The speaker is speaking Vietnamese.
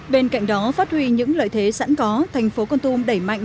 bên cạnh đó phát huy những lợi thế sẵn có thành phố con tum đẩy mạnh